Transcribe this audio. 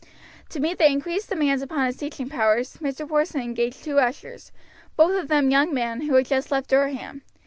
To meet the increased demands upon his teaching powers Mr. Porson engaged two ushers, both of them young men who had just left Durham.